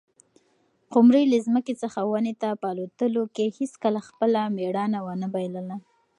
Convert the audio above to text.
قمرۍ له ځمکې څخه ونې ته په الوتلو کې هیڅکله خپله مړانه ونه بایلله.